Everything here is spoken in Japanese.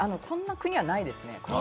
こんな国はないですね。